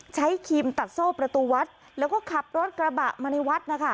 ครีมตัดโซ่ประตูวัดแล้วก็ขับรถกระบะมาในวัดนะคะ